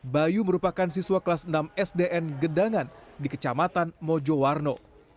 bayu merupakan siswa kelas enam sdn gendangan di kecamatan mojo warno